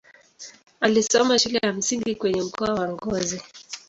Alisoma shule ya msingi kwenye mkoa wa Ngozi.